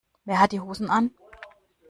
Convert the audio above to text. Wer hat die Hosen an?